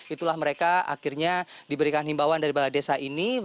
itulah mereka akhirnya diberikan himbawan dari balai desa ini